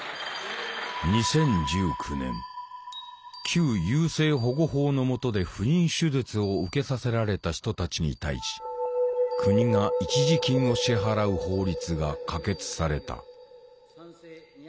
旧優生保護法の下で不妊手術を受けさせられた人たちに対し国が一時金を支払う法律が可決された。